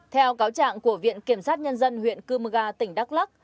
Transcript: theo cáo trạng của viện kiểm sát nhân dân huyện chimuga tỉnh đắk lắc